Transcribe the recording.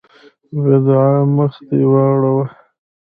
بدعا: مخ دې واوړه!